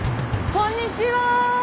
こんにちは。